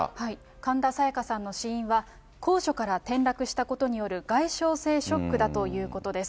神田沙也加さんの死因は、高所から転落したことによる外傷性ショックだということです。